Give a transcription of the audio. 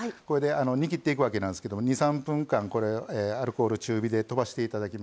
煮きっていくわけなんですけども２３分間アルコール中火でとばしていただきます。